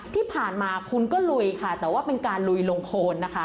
ที่ผ่านมาคุณก็ลุยค่ะแต่ว่าเป็นการลุยลงโคนนะคะ